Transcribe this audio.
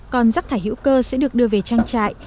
còn rác thải hữu cơ sẽ được đưa về trang trại